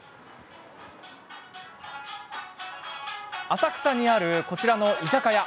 浅草にあるこちらの居酒屋。